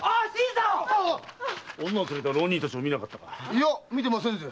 いや見てませんぜ。